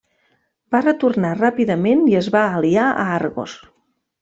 Va retornar ràpidament i es va aliar a Argos.